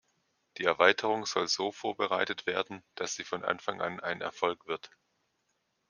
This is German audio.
Die Erweiterung soll so vorbereitet werden, dass sie von Anfang an ein Erfolg wird.